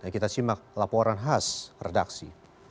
kita simak laporan khas redaksi